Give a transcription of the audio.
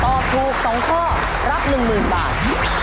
ตอบถูกสองข้อรับหนึ่งหมื่นบาท